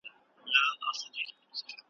خدایه عمر مي تر جار کړې زه د ده په نوم ښاغلی .